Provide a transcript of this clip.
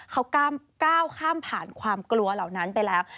เขาก้าวข้ามผ่านความกลัวเหล่านั้นไปแล้ว